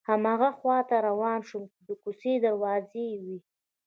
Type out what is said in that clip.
هماغه خواته روان شوم چې د کوڅې دروازې وې.